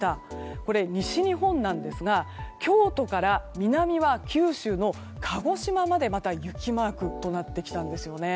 これは西日本なんですが京都から、南は九州の鹿児島までまた雪マークとなってきたんですよね。